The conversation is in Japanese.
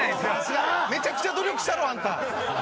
めちゃくちゃ努力したろあんた。